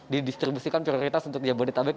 didistribusikan prioritas untuk yabodetabek